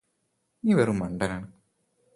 നീ വെറും മണ്ടനാണ്